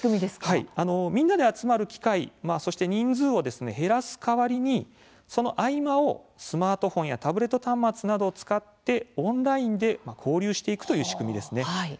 みんなで集まる機会そして人数を減らす代わりにその合間をスマートフォンやタブレット端末などを使ってオンラインで交流していくという仕組みです。